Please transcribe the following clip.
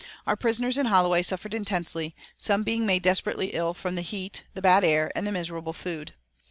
Our prisoners in Holloway suffered intensely, some being made desperately ill from the heat, the bad air, and the miserable food.